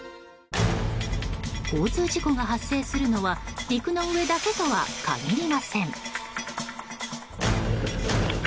交通事故が発生するのは陸の上だけとは限りません。